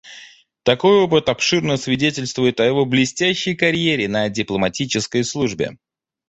Такой опыт обширно свидетельствует о его блестящей карьере на дипломатической службе.